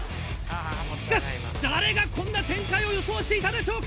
しかし誰がこんな展開を予想していたでしょうか？